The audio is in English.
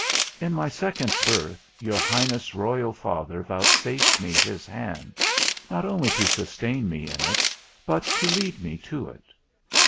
In my second birth, your Highness' royal father vouchsafed me his hand, not only to sustain me in it, but to lead me to it.